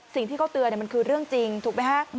สิ่งที่เขาเตือนมันคือเรื่องจริงถูกไหมฮะ